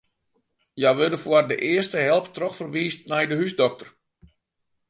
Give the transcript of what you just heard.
Hja wurde foar de earste help trochferwiisd nei de húsdokter.